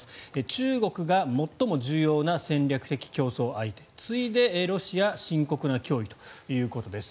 中国が最も重要な戦略的競争相手次いでロシア深刻な脅威ということです。